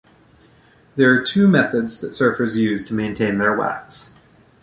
There are two methods that surfers use to maintain their wax.